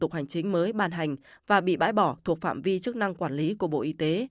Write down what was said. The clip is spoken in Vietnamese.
tục hành chính mới ban hành và bị bãi bỏ thuộc phạm vi chức năng quản lý của bộ y tế